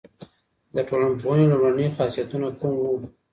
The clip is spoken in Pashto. د ټولنپوهنې لومړني خاصيتونه کوم وو؟